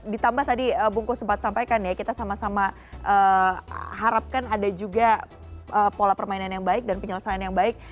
ditambah tadi bungkus sempat sampaikan ya kita sama sama harapkan ada juga pola permainan yang baik dan penyelesaian yang baik